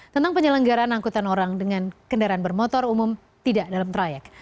tentang penyelenggaran angkutan orang dengan kendaraan bermotor umum tidak dalam trayek